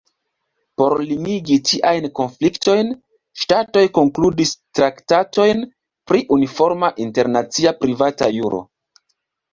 Por limigi tiajn konfliktojn, ŝtatoj konkludis traktatojn pri uniforma internacia privata juro.